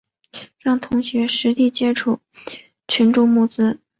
让同学实地接触群众募资